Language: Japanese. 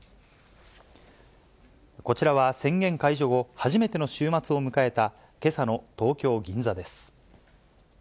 こちらは宣言解除後、初めての週末を迎えたけさの東京・銀座です。